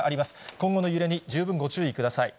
今後の揺れに十分ご注意ください。